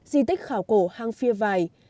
di tích khảo cổ hang phia vài